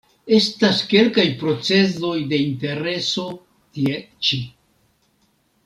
Estas kelkaj procezoj de intereso tie ĉi.